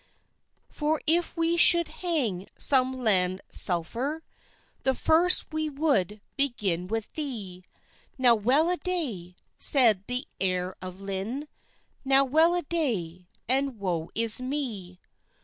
"For if we should hang some land selfeer, The first we would begin with thee." "Now well a day!" said the heire of Lynne, "Now well a day, and woe is mee!